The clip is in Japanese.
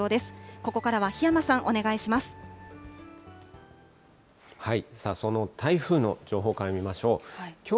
ここからは檜山さん、お願いしまさあ、その台風の情報から見ましょう。